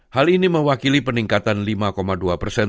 hal ini mewakili peningkatan lima dua persen